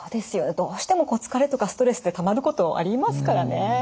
どうしても疲れとかストレスってたまることありますからね。